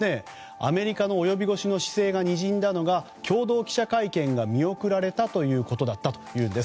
アメリカの及び腰の姿勢がにじんだのが共同記者会見が見送られたことだったというんです。